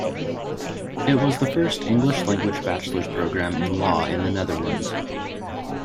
It was the first English-language bachelor's programme in law in the Netherlands.